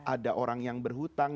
ada orang yang berhutang